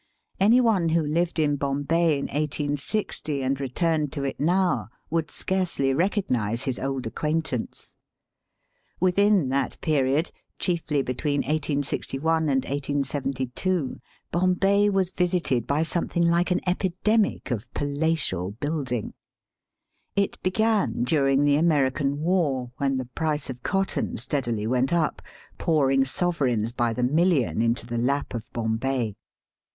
Any one who lived in Bombay in 1860, and returned to it now would scarcely recognize his old acquaintance. "Within that period, chiefly between 1861 and 1872, Bombay was visited by something like an epidemic of palatial building. It began during the American "War, when the price of cotton steadily went up, pouring sovereigns by the million into the lap of Bombay.